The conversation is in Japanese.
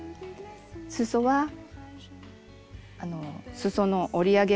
すそはすその折り上げ